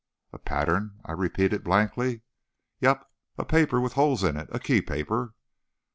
"A pattern!" I repeated, blankly. "Yep! A paper with holes in it, a key paper."